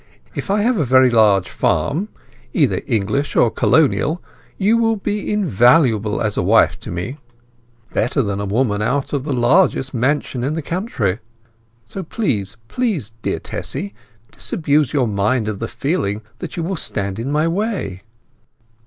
If I have a very large farm, either English or colonial, you will be invaluable as a wife to me; better than a woman out of the largest mansion in the country. So please—please, dear Tessy, disabuse your mind of the feeling that you will stand in my way."